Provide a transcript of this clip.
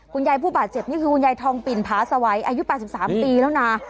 ผู้บาดเจ็บนี่คือคุณยายทองปิ่นผาสวัยอายุ๘๓ปีแล้วนะ